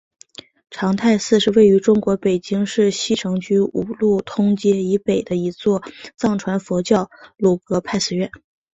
长泰寺是位于中国北京市西城区五路通街以北的一座藏传佛教格鲁派寺院。